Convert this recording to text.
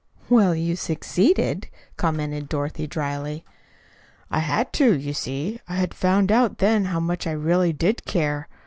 "Well, you succeeded," commented Dorothy dryly. "I had to, you see. I had found out then how much I really did care.